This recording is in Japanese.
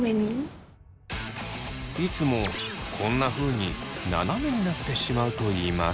いつもこんなふうにななめになってしまうといいます。